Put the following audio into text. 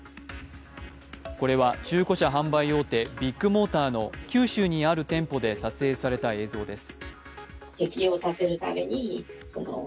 これは中古車販売大手、ビッグモーターの九州にある店舗で撮影された映像です。